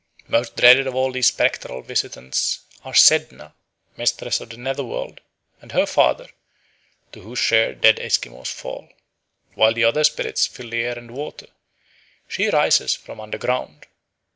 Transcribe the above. Most dreaded of all these spectral visitants are Sedna, mistress of the nether world, and her father, to whose share dead Esquimaux fall. While the other spirits fill the air and the water, she rises from under ground.